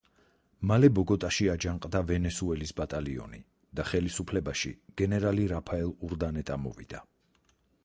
მალე ბოგოტაში აჯანყდა ვენესუელის ბატალიონი და ხელისუფლებაში გენერალი რაფაელ ურდანეტა მოვიდა.